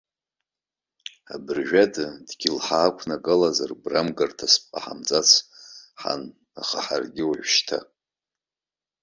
Абыржәада, дгьыл ҳақәнагалазар, гәрамгарҭас бҟаҳамҵац, ҳан, аха ҳаргьы уажәшьҭа.